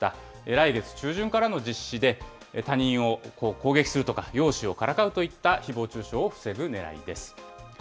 来月中旬からの実施で、他人を攻撃するとか、容姿をからかうといったひぼう中傷を防ぐねらいです。